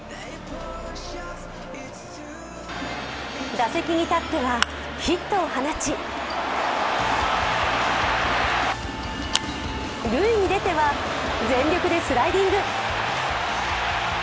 打席に立ってはヒットを放ち塁に出ては全力でスライディング。